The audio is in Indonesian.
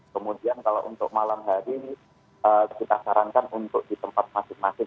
kemudian kalau untuk malam hari kita sarankan untuk di tempat masing masing